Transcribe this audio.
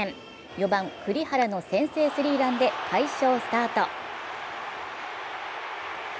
４番・栗原の先制スリーランで快勝スタート。